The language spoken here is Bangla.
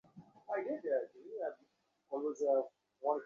জাকারিয়ার চোখ আবারো ভিজে উঠছে।